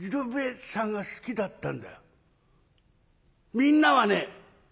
みんなはね